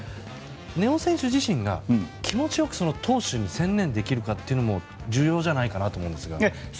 根尾選手自身が気持ちよく投手に専念できるかも重要じゃないかなと思うんですが。